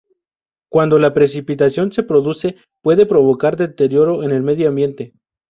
Cuando la precipitación se produce, puede provocar deterioro en el medio ambiente.